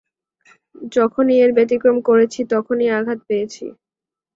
যখনই এর ব্যাতিক্রম করেছি, তখনই আঘাত পেয়েছি।